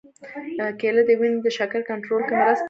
کېله د وینې د شکر کنټرول کې مرسته کوي.